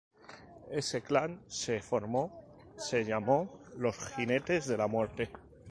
Ese clan que se formó, se llamó "Los jinetes de la muerte".